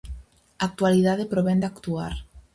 "Actualidade" provén de "actuar".